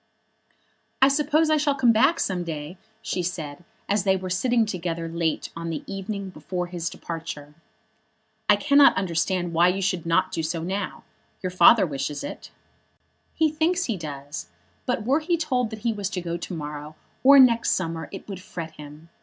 "I suppose I shall come back some day," she said, as they were sitting together late on the evening before his departure. "I cannot understand why you should not do so now. Your father wishes it." "He thinks he does; but were he told that he was to go to morrow, or next summer, it would fret him.